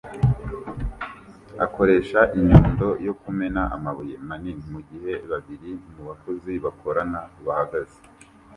akoresha inyundo yo kumena amabuye manini mugihe babiri mubakozi bakorana bahagaze